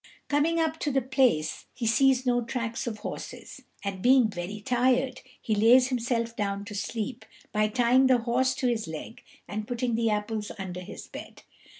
Coming up to the place, he sees no tracks of horses, and, being very tired, he lays himself down to sleep, by tying the horse to his leg, and putting the apples under his head.